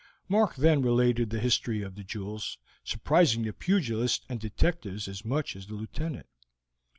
Mark then related the history of the jewels, surprising the pugilists and detectives as much as the Lieutenant.